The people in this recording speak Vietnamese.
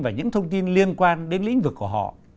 và những thông tin liên quan đến lĩnh vực của họ